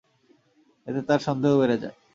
এতে তার সন্দেহ বেড়ে যায়।